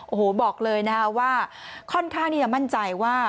โอ้โหบอกเลยนะคะว่า